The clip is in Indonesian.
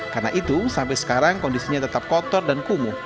karena itu sampai sekarang kondisinya tetap kotor dan kumuh